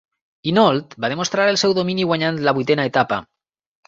Hinault va demostrar el seu domini guanyant la vuitena etapa.